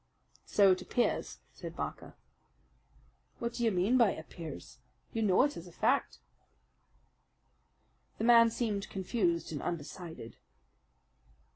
"So it appears," said Barker. "What do you mean by 'appears'? You know it as a fact." The man seemed confused and undecided.